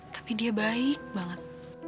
tapi dia baik banget